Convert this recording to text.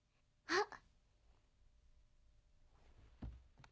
あっ！